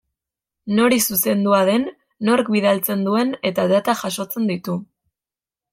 Nori zuzendua den, nork bidaltzen duen eta data jasotzen ditu.